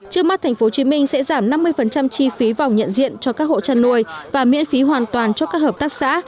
trước mắt tp hcm sẽ giảm năm mươi chi phí vòng nhận diện cho các hộ chăn nuôi và miễn phí hoàn toàn cho các hợp tác xã